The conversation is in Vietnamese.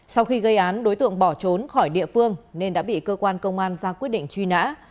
sau khi gây án đối tượng bỏ trốn khỏi địa phương nên đã bị cơ quan công an ra quyết định truy nã